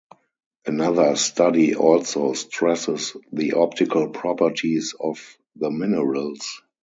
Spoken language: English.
Another study also stresses the optical properties of the minerals.